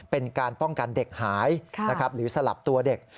เป็นการป้องกันเด็กหายหรือสลับตัวเด็ก